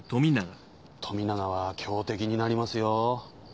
富永は強敵になりますよ。